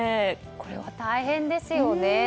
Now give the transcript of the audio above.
これは大変ですよね。